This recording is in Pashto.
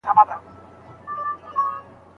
د څېړني اصلي کار د شاګرد په غاړه دی.